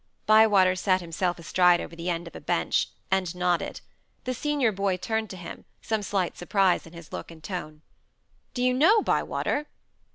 Bywater sat himself astride over the end of a bench, and nodded. The senior boy turned to him, some slight surprise in his look and tone. "Do you know, Bywater?"